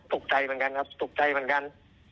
ตกใจเหมือนกันครับตกใจเหมือนกัน